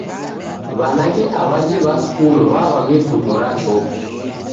W'anake aw'aje w'a skulu w'arwa mivuto ra chopwa.